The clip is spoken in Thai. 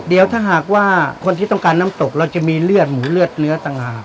เดี๋ยวถ้าหากว่าคนที่ต้องการน้ำตกเราจะมีเลือดหมูเลือดเนื้อต่างหาก